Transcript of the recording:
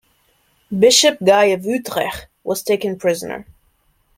Bishop Guy of Utrecht was taken prisoner.